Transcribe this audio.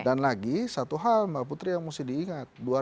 dan lagi satu hal mbak putri yang mesti diingat